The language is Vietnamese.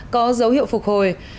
có dấu hiệu phục hồi